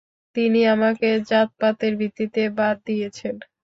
তিনি আমাকে জাতপাতের ভিত্তিতে বাদ দিয়েছেন।